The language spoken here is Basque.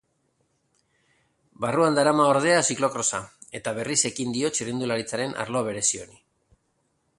Barruan darama ordea ziklokrosa, eta berriz ekin dio txirrindularitzaren arlo berezi honi.